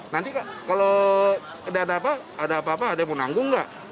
nanti kalau ada apa apa ada yang menanggung nggak